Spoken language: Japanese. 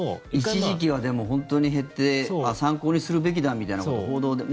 一時期はでも、本当に減って参考にするべきだみたいなことを報道で。